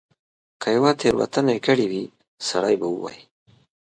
که یوه تیره وتنه کړې وي سړی به ووایي.